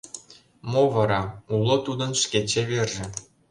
Мо вара — Уло тудын шке чеверже!